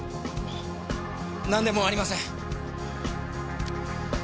何でもありません！